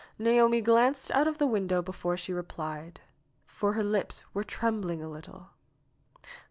Naomi glanced out of the window before she replied, for her lips were trembling a little.